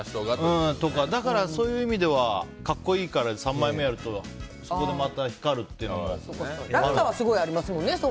だからそういう意味では格好いいから三枚目をやるとそこでまた光るっていうのはありますよね。